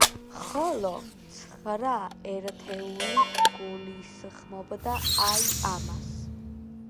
ხოლო, ცხრა ერთეული გულისხმობს, აი, ამას.